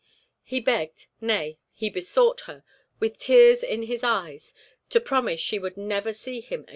He begged, nay, he besought her, with tears in his eyes, to promise she would never again see him.